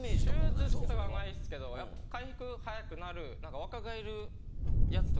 手術とかはないですけどやっぱ回復早くなる何か若返るやつとかがある。